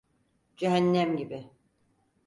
Cehennem gibi.